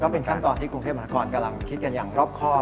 เป็นขั้นตอนที่กรุงเทพมหานครกำลังคิดกันอย่างรอบครอบ